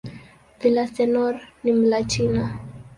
Villaseñor ni "Mlatina".